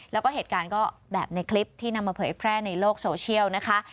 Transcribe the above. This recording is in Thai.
แล้วก็เหตุการณ์ก็แบบในคลิปที่นำมาเผยแพร่ในโลกโซเชียลนะคะ